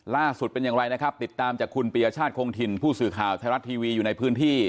ล่าสุดเป็นอย่างไรนะครับติดตามจากคุณปียชาติคงถิ่นผู้สื่อข่าวไทยรัฐทีวีอยู่ในพื้นที่